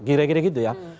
gira gira gitu ya